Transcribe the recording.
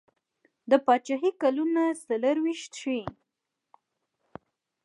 د پاچهي کلونه څلیرویشت ښيي.